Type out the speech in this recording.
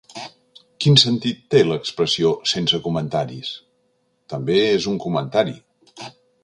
Quin sentit té l'expressió "sense comentaris"? També és un comentari.